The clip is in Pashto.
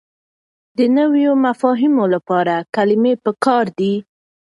د نويو مفاهيمو لپاره کلمې پکار دي.